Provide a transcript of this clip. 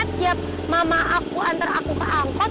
setiap mama aku antar aku ke angkot